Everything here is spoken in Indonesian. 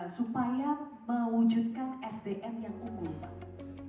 supaya mewujudkan sdm yang unggul pak